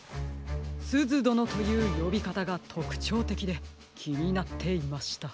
「すずどの」というよびかたがとくちょうてきできになっていました。